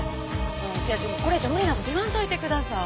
せやしこれ以上無理な事言わんといてください。